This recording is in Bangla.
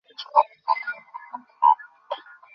ওদের দেরি হয়ে যাচ্ছে।